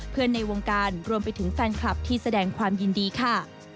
ในวงการรวมไปถึงแฟนคลับที่แสดงความยินดีค่ะ